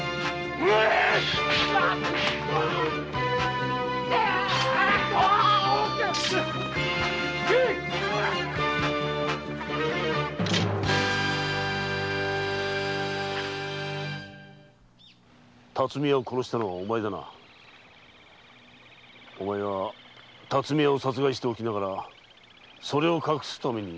お前は巽屋を殺害しておきながらそれを隠すために盗人を働いた。